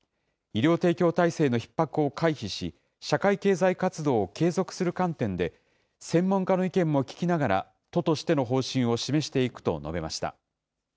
医療提供体制のひっ迫を回避し、社会経済活動を継続する観点で、専門家の意見も聞きながら、都としての方針を示していくと述べました。